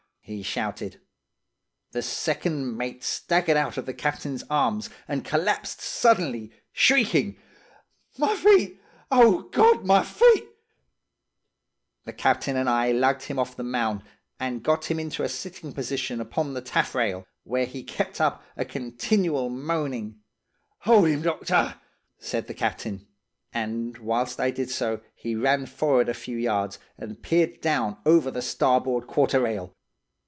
he shouted. "The second mate staggered out of the captain's arms, and collapsed suddenly, shrieking: 'My feet! Oh, God! My feet!' The captain and I lugged him off the mound, and got him into a sitting position upon the taffrail, where he kept up a continual moaning. "'Hold 'im, doctor,' said the captain. And whilst I did so, he ran forrard a few yards, and peered down over the starboard quarter rail.